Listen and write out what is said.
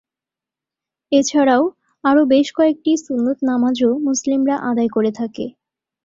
এছাড়াও আরো বেশ কয়েকটি সুন্নত নামাজ ও মুসলিমরা আদায় করে থাকে।